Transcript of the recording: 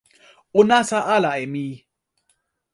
o nasa ala e mi!